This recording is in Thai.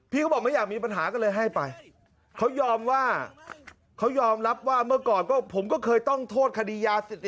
เขาบอกไม่อยากมีปัญหาก็เลยให้ไปเขายอมว่าเขายอมรับว่าเมื่อก่อนก็ผมก็เคยต้องโทษคดียาเสพติด